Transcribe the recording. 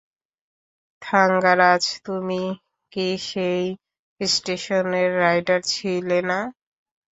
থাঙ্গারাজ, তুমি কী সেই স্টেশনের রাইটার ছিলে না?